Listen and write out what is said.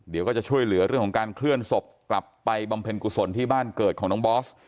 เดี๋ยวก็จะช่วยเหลือเรื่องของการเคลื่อนศพกลับไปบำเพ็ญกุศลที่บ้านเกิดของน้องบอส